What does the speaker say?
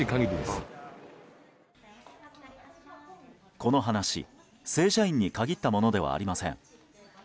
この話、正社員に限ったものではありません。